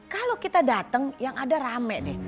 kalau kita dateng yang ada rame deh